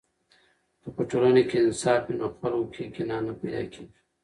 که په ټولنه کې انصاف وي، نو خلکو کې کینه نه پیدا کیږي.